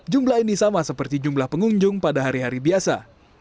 jumlah ini sama seperti jumlah pengunjung pada hari hari biasa